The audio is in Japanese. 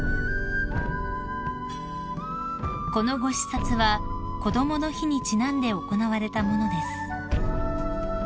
［このご視察はこどもの日にちなんで行われたものです］